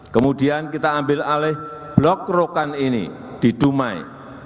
kemudian kita ambil alih blok rokan ini di dumai